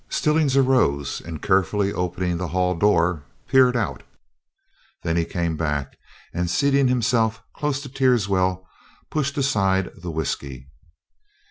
Stillings arose and carefully opening the hall door peered out. Then he came back and, seating himself close to Teerswell, pushed aside the whiskey.